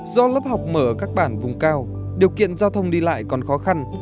do lớp học mở các bản vùng cao điều kiện giao thông đi lại còn khó khăn